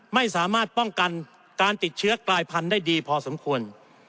ไม่สามารถป้องกันการติดเชื้อกลายพันธุ์ได้ดีพอสมควร